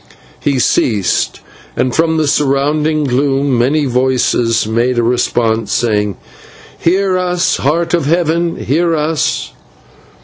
He ceased, and from the surrounding gloom many voices made response, saying: "/Hear us, Heart of Heaven, hear us!